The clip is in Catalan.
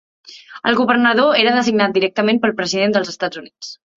El governador era designat directament pel President dels Estats Units.